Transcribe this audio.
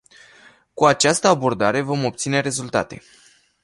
Cu această abordare, vom obține rezultate.